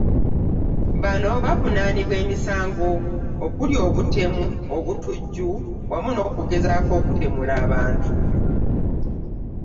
Bano bavunaanibwa emisango okuli; obutemu, obutujju, wamu n'okugezaako okutemula abantu.